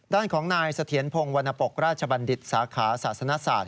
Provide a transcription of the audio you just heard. ด้านของนายเสถียรพงศ์วรรณปกราชบัณฑิตสาขาศาสนศาสต